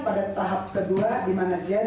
untuk mencari penumpang yang berbeda